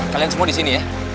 kalian semua disini ya